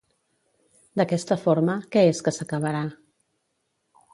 D'aquesta forma, què és que s'acabarà?